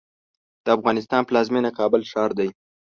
د افغانستان پلازمېنه کابل ښار دی.